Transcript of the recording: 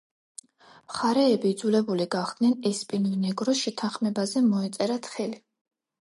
მხარეები იძულებული გახდნენ ესპინო ნეგროს შეთანხმებაზე მოეწერათ ხელი.